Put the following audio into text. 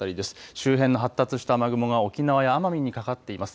周辺の発達した雨雲が沖縄や奄美にかかっています。